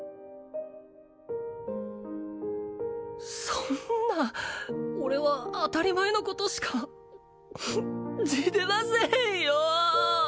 そんな俺は当たり前のことしかしてませんよ